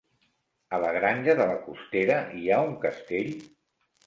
A la Granja de la Costera hi ha un castell?